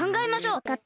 わかった。